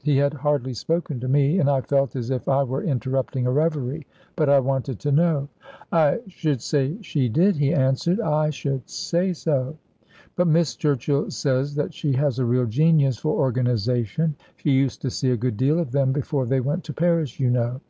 He had hardly spoken to me, and I felt as if I were interrupting a reverie but I wanted to know. "I should say she did," he answered; "I should say so. But Miss Churchill says that she has a real genius for organization. She used to see a good deal of them, before they went to Paris, you know."